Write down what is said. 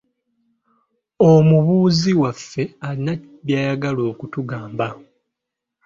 Omubuuzi waffe alina by'ayagala okutugamba.